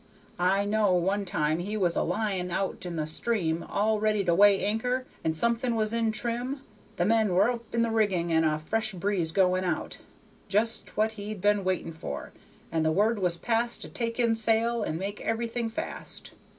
I know one time we were a lyin' out in the stream all ready to weigh anchor, and everything was in trim, the men were up in the rigging and a fresh breeze going out, just what we'd been waiting for, and the word was passed to take in sail and make everything fast.